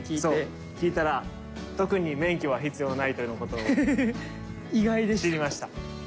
そう聞いたら特に免許は必要ないというような事を知りました。